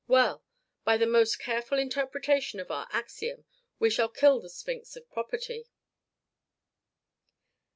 Well! by the most careful interpretation of our axiom we shall kill the sphinx of property.